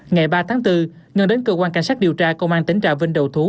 ngày ba tháng bốn ngân đến cơ quan cảnh sát điều tra công an tỉnh trà vinh đầu thú